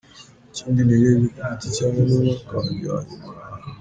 Ikindi nirebye ku giti cyanjye ni umwaka wanjye wa nyuma.